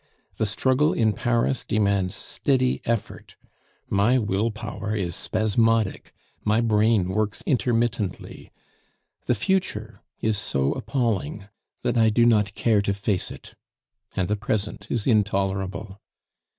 The struggle in Paris demands steady effort; my will power is spasmodic, my brain works intermittently. The future is so appalling that I do not care to face it, and the present is intolerable.